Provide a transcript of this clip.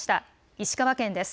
石川県です。